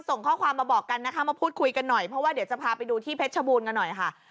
ส่งข้อความมาบอกกันนะคะมาพูดคุยกันหน่อยเพราะว่าเดี๋ยวจะพาไปดูที่เพชรชบูรณ์กันหน่อยค่ะ